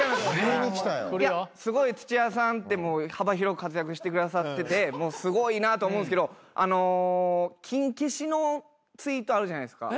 すごい土屋さんって幅広く活躍してくださっててすごいなと思うんですけどキンケシのツイートあるじゃないですか。